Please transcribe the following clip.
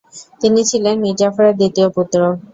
তিনি ছিলেন মীর জাফরের দ্বিতীয় পুত্র।